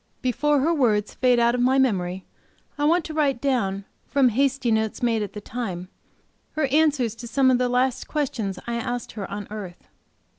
Before her words fade out of my memory I want to write down, from hasty notes made at the time, her answer to some of the last questions I asked her on earth.